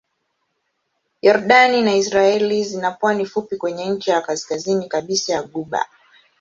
Yordani na Israel zina pwani fupi kwenye ncha ya kaskazini kabisa ya ghuba.